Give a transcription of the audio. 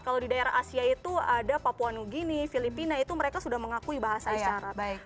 kalau di daerah asia itu ada papua new guinea filipina itu mereka sudah mengakui bahasa isyarat